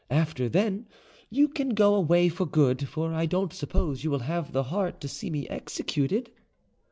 After then, you can go away for good; for I don't suppose you will have the heart to see me executed."